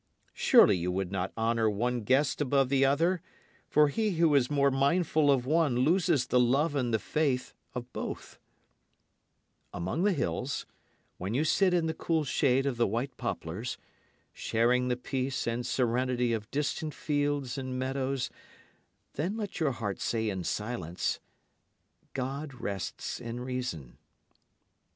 Surely you would not honour one guest above the other; for he who is more mindful of one loses the love and the faith of both Among the hills, when you sit in the cool shade of the white poplars, sharing the peace and serenity of distant fields and meadows then let your heart say in silence, "God rests in reason."